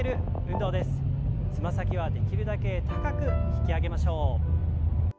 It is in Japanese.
つま先はできるだけ高く引き上げましょう。